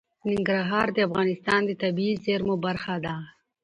ننګرهار د افغانستان د طبیعي زیرمو برخه ده.